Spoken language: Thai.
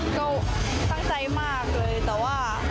ก็ตั้งใจมากเลยแต่ว่า